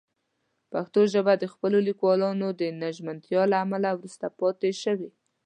پښتو ژبه د خپلو لیکوالانو د نه ژمنتیا له امله وروسته پاتې شوې.